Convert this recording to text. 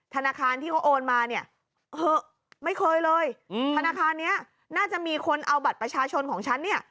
ธนาคารที่เขาโอนมาเนี่ยเหอะไม่เคยเลยธนาคารนี้น่าจะมีคนเอาบัตรประชาชนของฉันเนี่ย